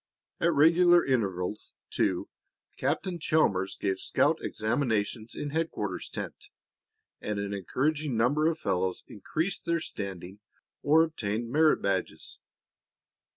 At regular intervals, too, Captain Chalmers gave scout examinations in headquarters tent, and an encouraging number of fellows increased their standing or obtained merit badges.